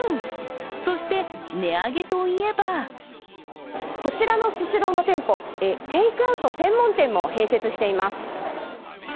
そして値上げといえばこちらのスシローの店舗、テイクアウト専門店も併設しています。